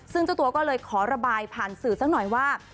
ซึ่งเจ้าตัวก็เลยขอระบายผ่านสื่อสักหน่อยว่า